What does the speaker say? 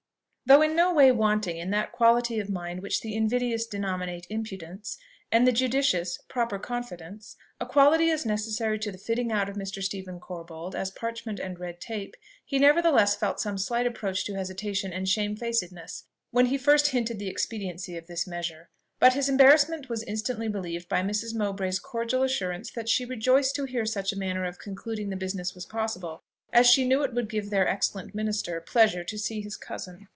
Though no way wanting in that quality of mind which the invidious denominate "impudence," and the judicious "proper confidence," a quality as necessary to the fitting out of Mr. Stephen Corbold as parchment and red tape, he nevertheless felt some slight approach to hesitation and shame facedness when he first hinted the expediency of this measure. But his embarrassment was instantly relieved by Mrs. Mowbray's cordial assurance that she rejoiced to hear such a manner of concluding the business was possible, as she knew it would give their "excellent minister" pleasure to see his cousin.